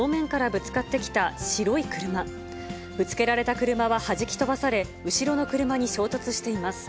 ぶつけられた車ははじき飛ばされ、後ろの車に衝突しています。